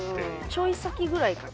ちょい先ぐらいかな。